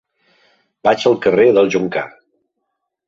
Vaig al carrer del Joncar.